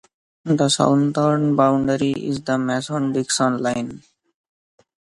The southern boundary is the Mason-Dixon line.